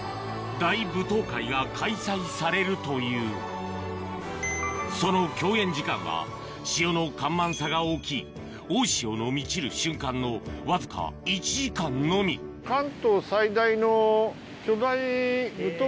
大舞踏会が開催されるというその共演時間は潮の干満差が大きい大潮の満ちる瞬間のわずか１時間のみ行きます？